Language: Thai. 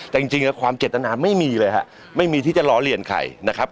แต่จริงความเจตนาไม่มีเลยฮะไม่มีที่จะล้อเลียนใครนะครับ